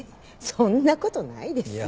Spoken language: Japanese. そんなことないですよ。